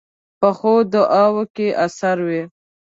پخو دعاوو کې اثر وي